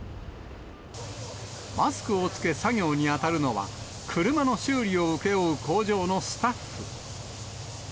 マスクを着け、作業に当たるのは、車の修理を請け負う工場のスタッフ。